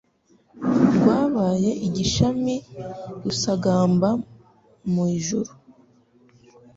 Rwabaye igishami Rugasagamba mu ijuri